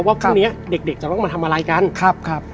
ว่าพรุ่งนี้เด็กจะต้องมาทำอะไรกันครับ